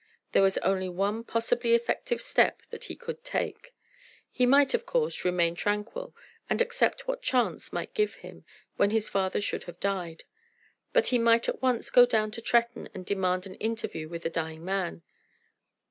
There was only one possibly effective step that he could take. He might, of course, remain tranquil, and accept what chance might give him, when his father should have died. But he might at once go down to Tretton and demand an interview with the dying man.